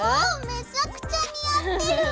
めちゃくちゃ似合ってる！